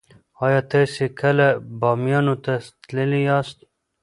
ایا تاسې کله بامیانو ته تللي یاست؟